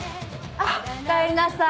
あっおかえりなさい。